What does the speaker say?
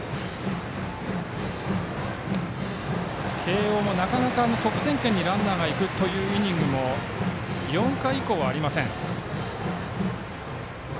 慶応、なかなか得点圏にランナーが行くというイニングも４回以降はありません。